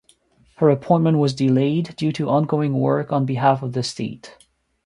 Her appointment was delayed due to ongoing work on behalf of the State.